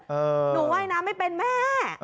หนูว่ายน้ำไม่เป็นแม่